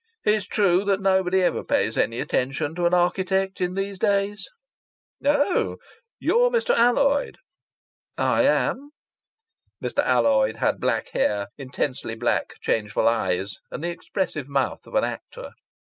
It's true that nobody ever pays any attention to an architect in these days." "Oh! You're Mr. Alloyd?" "I am." Mr. Alloyd had black hair, intensely black, changeful eyes, and the expressive mouth of an actor.